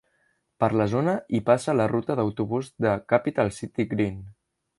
Per la zona hi passa la ruta d'autobús de Capital City Green.